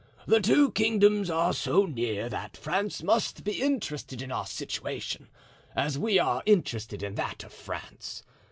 The two kingdoms are so near that France must be interested in our situation, as we are interested in that of France.